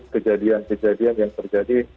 kejadian kejadian yang terjadi